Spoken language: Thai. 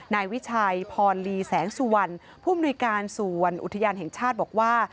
นายวิชัยพรลีแสงสุวรรณผู้มนุยการสวนอุทยานแห่งชาติบอกว่า